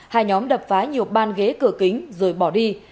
hai nhóm đập phá nhiều ban ghế cửa kính rồi bỏ đi